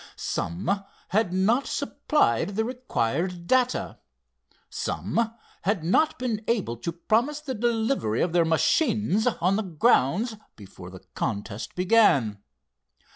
Some had not supplied the required data. Some had not been able to promise the delivery of their machines on the grounds before the contest began.